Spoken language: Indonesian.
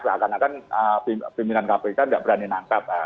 karena pimpinan kpk tidak berani menangkap